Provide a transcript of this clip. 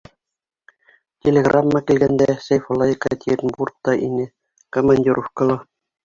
Телеграмма килгәндә, Сәйфулла Екатеринбургта ине, командировкала.